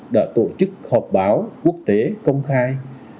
đã tổ chức họp báo quốc tế công khai